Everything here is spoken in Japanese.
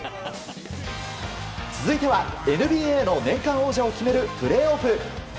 続いてはＮＢＡの年間王者を決めるプレーオフ。